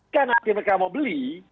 kan nanti mereka mau beli